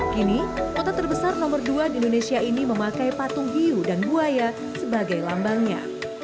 kini kota terbesar nomor dua di indonesia ini memakai patung hiu dan buaya sebagai lambangnya